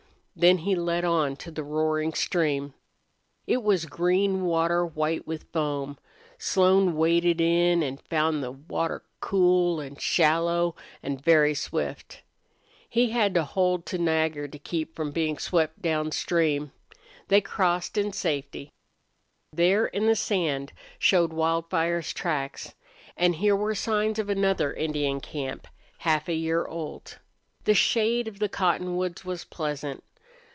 Then he led on to the roaring stream. It was green water white with foam. Slone waded in and found the water cool and shallow and very swift. He had to hold to Nagger to keep from being swept downstream. They crossed in safety. There in the sand showed Wildfire's tracks. And here were signs of another Indian camp, half a year old. The shade of the cotton woods was pleasant.